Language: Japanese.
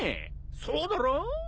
そうだろう？